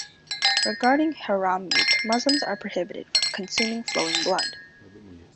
Regarding haram meat, Muslims are prohibited from consuming flowing blood.